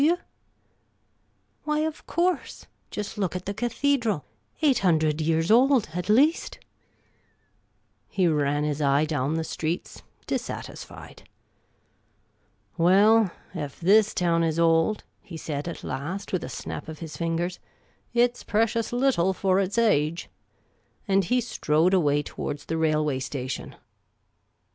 92 Miss Cayley's Adventures " Why, of course ! Just look at the cathedral ! Eight hundred years old, at least !" He ran his eye down the streets, dissatisfied. " Well, ef this town is old," he said at last, with a snap of his fingers, "it 's precious little for its age." And he strode away towards the railway station.